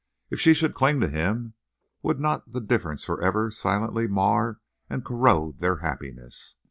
If she should cling to him, would not the difference forever silently mar and corrode their happiness?